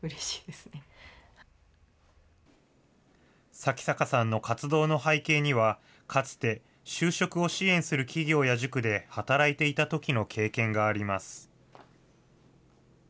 向坂さんの活動の背景には、かつて就職を支援する企業や塾で働いていたときの経験があります。